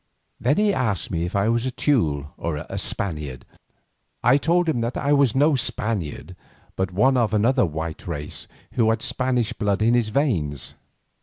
Then he asked me if I was a Teule or Spaniard. I told him that I was no Spaniard but one of another white race who had Spanish blood in his veins.